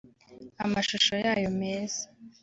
amashusho yayo meza